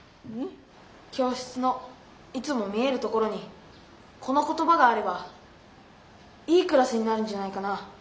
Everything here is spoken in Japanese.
教室のいつも見えるところにこの言ばがあればいいクラスになるんじゃないかな？